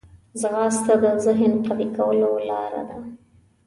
ځغاسته د ذهن قوي کولو لاره ده